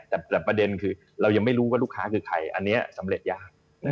แต่ประเด็นคือเรายังไม่รู้ว่าลูกค้าคือใครอันนี้สำเร็จยาก